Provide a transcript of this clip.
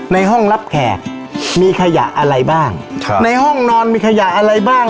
ในห้องรับแขกมีขยะอะไรบ้างครับในห้องนอนมีขยะอะไรบ้าง